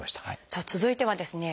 さあ続いてはですね